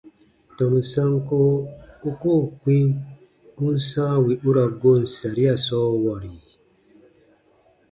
Tɔnu sanko u koo kpĩ u n sãa wì u ra goon saria sɔɔ wɔri?